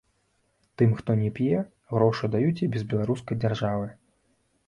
Тым, хто не п'е, грошы даюць і без беларускай дзяржавы.